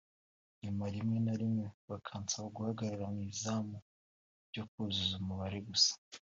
hanyuma rimwe na rimwe bakansaba guhagarara mu izamu byo kuzuza umubare gusa